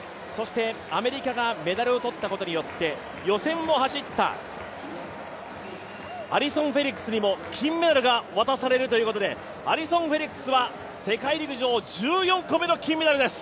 アメリカがメダルを取ったことによって予選を走ったアリソン・フェリックスにも金メダルが渡されるということで、アリソン・フェリックスは世界陸上１４個目の金メダルです。